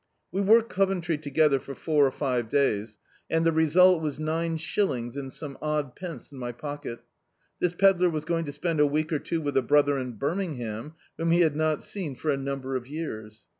We worked Coventry together for four or five days, and the result was nine shilling and some odd pence in my pocket This pedlar was going to spend a week or two with a brother in Birming ham, whan he had not seen for a number of years.